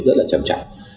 rất là trầm trọng